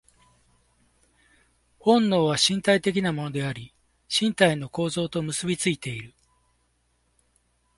本能は身体的なものであり、身体の構造と結び付いている。